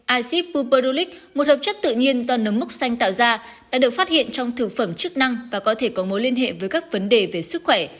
acid puperolulic một hợp chất tự nhiên do nấm múc xanh tạo ra đã được phát hiện trong thực phẩm chức năng và có thể có mối liên hệ với các vấn đề về sức khỏe